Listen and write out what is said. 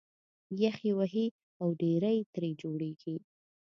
یخ یې وهي او ډېرۍ ترې جوړېږي